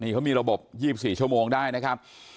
เขามีระบบ๒๔ชั่วโมงได้นะครับ